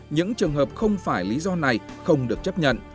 những trường hợp không phải lý do này không được chấp nhận